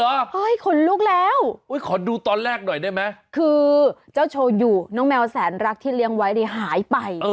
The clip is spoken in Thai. ขนลุกแล้วขอดูตอนแรกหน่อยได้ไหมคือเจ้าโชยูน้องแมวแสนรักที่เลี้ยงไว้เนี่ยหายไป